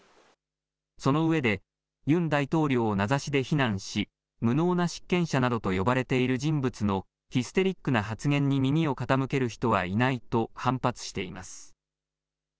そのうえでユン大統領を名指しで非難し無能な執権者などと呼ばれている人物のヒステリックな発言に耳を傾ける人はいないと反発しています。